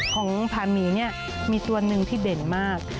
ของผาหมีเนี่ยมีตัวหนึ่งที่เด่นมาก